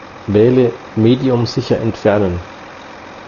Wähle "Medium sicher entfernen".